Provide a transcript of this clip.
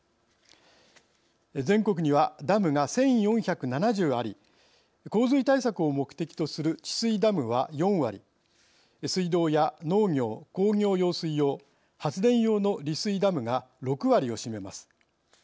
全国にはダムが１，４７０あり洪水対策を目的とする治水ダムは４割水道や農業・工業用水用発電用の利水ダムが６割を占めます。